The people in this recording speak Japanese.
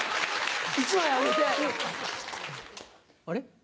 あれ？